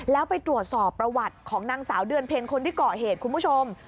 แล้วไปตรวจสอบประวัติของนางสาวเดือนเพ็ญคนที่เกาะเหตุคุณผู้ชม